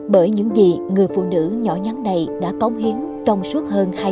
bởi những gì người phụ nữ nhỏ nhắn đầy đã cống hiến trong suốt hơn